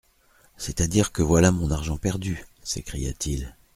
C'est-à-dire que voilà mon argent perdu ! s'écria-t-il.